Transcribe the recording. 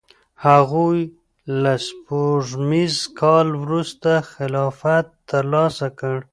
هغوی له سپوږمیز کال وروسته خلافت ترلاسه کړ.